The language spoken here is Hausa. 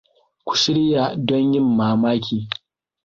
Ku shirya don yin mamaki.